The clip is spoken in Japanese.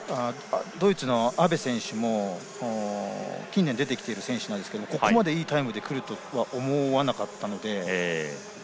ドイツのアベ選手も近年出てきている選手なんですがここまでいいタイムでくるとは思わなかったので。